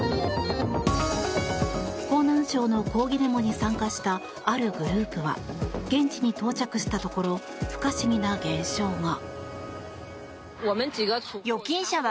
河南省の抗議デモに参加したあるグループは現地に到着したところ不可思議な現象が。